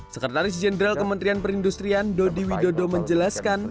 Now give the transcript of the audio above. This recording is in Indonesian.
sekretaris jenderal kementerian perindustrian dodi widodo menjelaskan